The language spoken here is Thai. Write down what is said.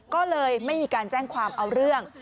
ก็เลยไม่มีการแจ้งความเอาเรื่อง